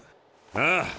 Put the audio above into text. ああ。